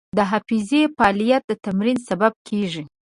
د حافظې فعالیت د تمرین سبب کېږي.